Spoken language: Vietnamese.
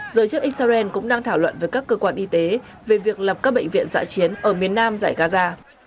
giới chức israel cũng đang thảo luận với các cơ quan y tế về việc lập các bệnh viện dạ chiến ở miền nam giải gaza